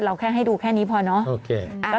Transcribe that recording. แค่ให้ดูแค่นี้พอเนาะ